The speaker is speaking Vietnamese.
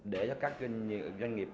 để cho các doanh nghiệp